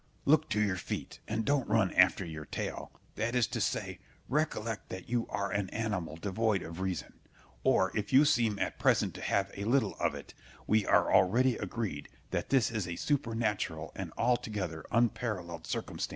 Scip. Look to your feet, and don't run after your tail, that is to say, recollect that you are an animal devoid of reason; or if you seem at present to have a little of it, we are already agreed that this is a supernatural and altogether unparalleled circumstance.